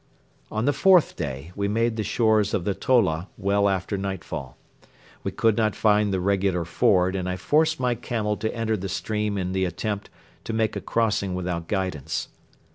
On the fourth day we made the shores of the Tola well after nightfall. We could not find the regular ford and I forced my camel to enter the stream in the attempt to make a crossing without guidance.